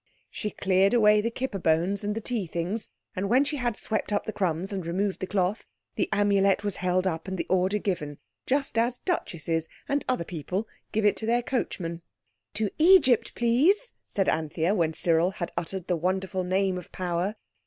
She cleared away the kipper bones and the tea things, and when she had swept up the crumbs and removed the cloth, the Amulet was held up and the order given—just as Duchesses (and other people) give it to their coachmen. "To Egypt, please!" said Anthea, when Cyril had uttered the wonderful Name of Power.